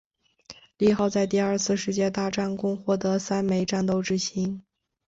利号在第二次世界大战共获得三枚战斗之星。